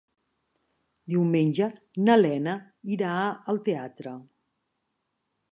Diumenge na Lena irà al teatre.